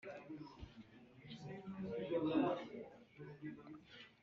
Ingingo yambere Ibarwa ry igihano cyo